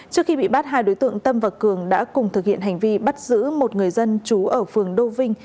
trước khi bị bắt hai đối tượng tâm và cường đã cùng thực hiện hành vi bắt giữ một người dân trú ở phường đô vinh